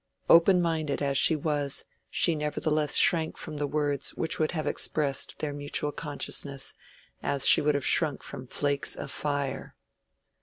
Open minded as she was, she nevertheless shrank from the words which would have expressed their mutual consciousness, as she would have shrunk from flakes of fire.